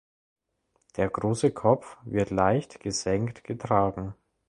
Der große Kopf wird leicht gesenkt getragen.